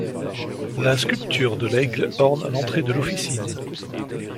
La sculpture de l'aigle orne l'entrée de l'officine.